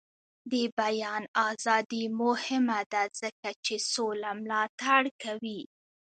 د بیان ازادي مهمه ده ځکه چې سوله ملاتړ کوي.